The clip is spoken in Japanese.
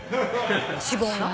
脂肪が？